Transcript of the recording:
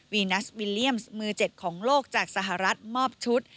ัสวิลเลี่ยมส์มือ๗ของโลกจากสหรัฐมอบชุด